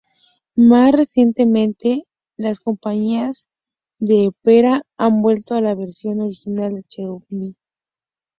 Más recientemente, las compañías de ópera han vuelto a la versión original de Cherubini.